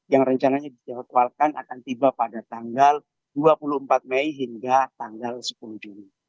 yang rencananya dijawalkan akan tiba pada tanggal dua puluh empat mei hingga tanggal sepuluh juni